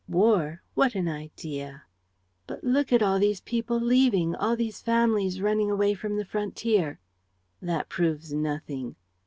"War! What an idea!" "But look at all these people leaving, all these families running away from the frontier!" "That proves nothing."